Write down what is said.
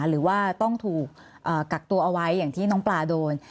หรือว่าต้องถูกกักตัวเอาไว้อย่างที่น้องปลาโดน